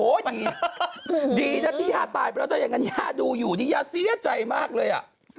ดีดีนะพี่ย่าตายไปแล้วถ้าอย่างนั้นย่าดูอยู่นี่ย่าเสียใจมากเลยอ่ะ